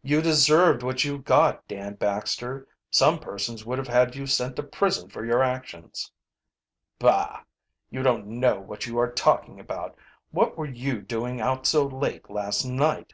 "You deserved what you got, Dan Baxter. Some persons would have had you sent to prison for your actions." "Bah! You don't know what you are talking about. What were you doing out so late last night?"